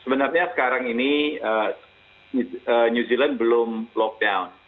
sebenarnya sekarang ini new zealand belum lockdown